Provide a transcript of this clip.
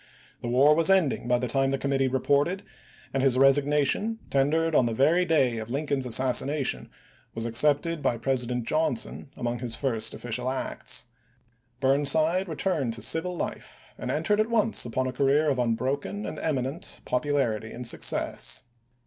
The war was ending by the time the committee reported, and his resignation, ten Api.i4,i865. dered on the very day of Lincoln's assassination, was accepted by President Johnson among his first official acts. Burnside returned to civil life, and entered at once upon a career of unbroken and eminent popularity and success.